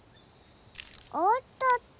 おっとっと。